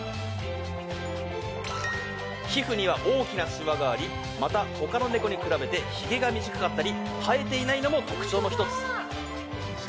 皮膚には大きなしわがありまた他のネコに比べてひげが短かったり生えていないのも特徴の１つ。